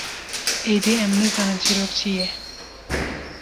êdî em nizanin çîrok çi ye.